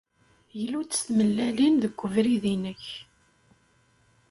Glu-d s tmellalin deg ubrid-nnek.